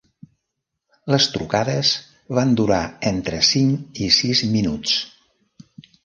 Les trucades van durar entre cinc i sis minuts.